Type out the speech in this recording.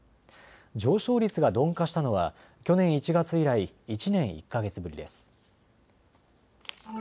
上昇率が鈍化したのは去年１月以来１年１か月ぶりです。